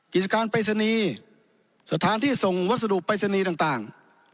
กิจการปริศนีย์สถานที่ส่งวัสดุปริศนีย์ต่าง